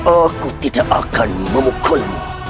aku tidak akan memukulmu